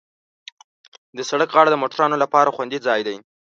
د سړک غاړه د موټروانو لپاره خوندي ځای دی.